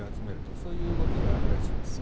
そういう動きがあるらしいんですね。